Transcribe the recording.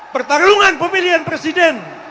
pertarungan pemilihan presiden